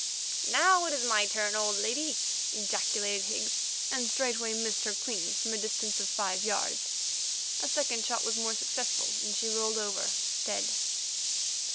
"Now it is my turn, old lady," ejaculated Higgs, and straightway missed her clean from a distance of five yards. A second shot was more successful, and she rolled over, dead.